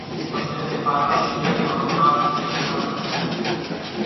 پسي زين پاڌري سي ڪان مناد سي پرارٿنا ڪري